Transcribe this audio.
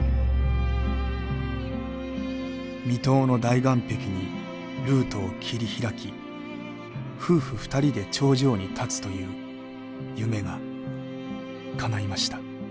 未踏の大岩壁にルートを切り開き夫婦２人で頂上に立つという夢がかないました。